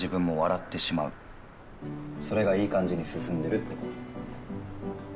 それがいい感じに進んでるって事。